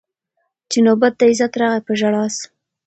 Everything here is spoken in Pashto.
چي نوبت د عزت راغی په ژړا سو